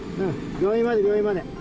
病院まで、病院まで。